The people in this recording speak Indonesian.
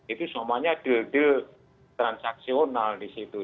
itu semuanya deal deal transaksional di situ